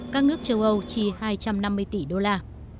các nước châu âu chi hai trăm năm mươi tỷ đô la